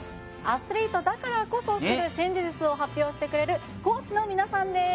アスリートだからこそ知る新事実を発表してくれる講師の皆さんです